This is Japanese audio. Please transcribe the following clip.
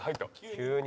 急に。